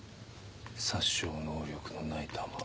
殺傷能力のない弾。